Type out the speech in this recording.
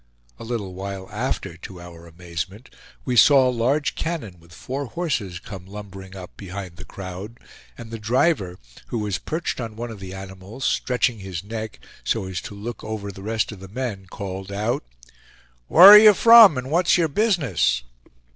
A little while after, to our amazement, we saw a large cannon with four horses come lumbering up behind the crowd; and the driver, who was perched on one of the animals, stretching his neck so as to look over the rest of the men, called out: "Whar are you from, and what's your business?"